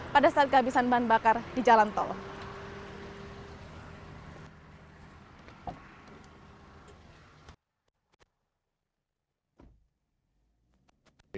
pada saat kehabisan bahan bakar di jalan tol